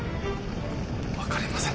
分かりませぬ。